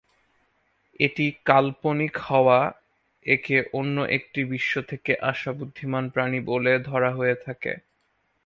এটি কাল্পনিক হওয়া, একে অন্য একটি বিশ্ব থেকে আসা বুদ্ধিমান প্রাণী বলে ধরা হয়ে থাকে।